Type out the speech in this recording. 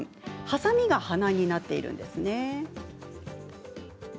はさみが鼻になっているんですね。